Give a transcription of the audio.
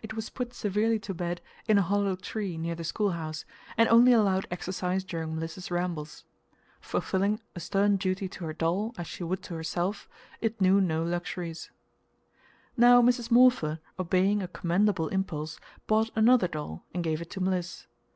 It was put severely to bed in a hollow tree near the schoolhouse, and only allowed exercise during Mliss's rambles. Fulfilling a stern duty to her doll, as she would to herself, it knew no luxuries. Now Mrs. Morpher, obeying a commendable impulse, bought another doll and gave it to Mliss.